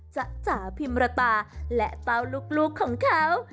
จ๊ะจ๋าพิมรตาและเต้าลูกของเขา